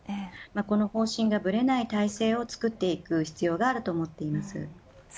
この方針がぶれない体制を作っていく必要があると思っています。